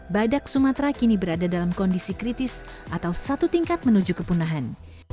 badak sumatera kini berada dalam kondisi kritis atau satu tingkat menuju kepunahan